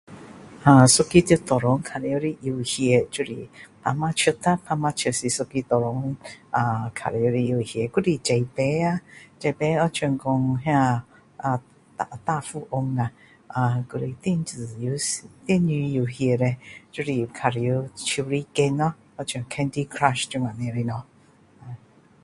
呃一个在桌上玩的游戏就是就是打麻将啊打麻将是一个桌上啊玩的游戏还是纸牌啊纸牌好像说那个呃大富翁呀啊电子游戏电子游戏叻就是玩手游 game 就像 candy crush 这样的东西